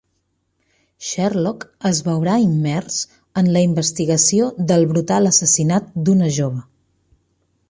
Sherlock es veurà immers en la investigació del brutal assassinat d’una jove.